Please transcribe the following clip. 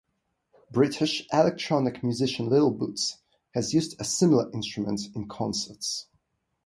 British electronic musician Little Boots has used a similar instrument in concerts.